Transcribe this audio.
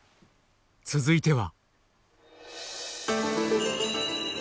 続いては。